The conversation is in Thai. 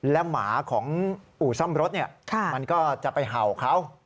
และหมาของอู่ซ่อมรถมันก็จะไปเห่าเขา